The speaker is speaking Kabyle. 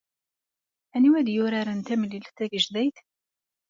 Anwa ay d-yuraren tamlilt tagejdayt?